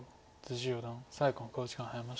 四段最後の考慮時間に入りました。